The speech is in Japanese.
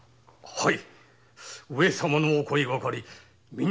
はい。